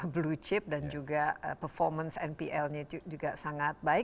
blue chip dan juga performance npl nya juga sangat baik